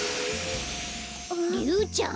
リュウちゃん？